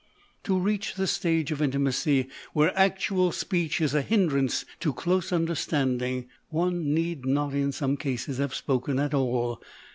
To reach the stage of intimacy where actual speech is a hindrance to close understanding, one need not in some cases have spoken at all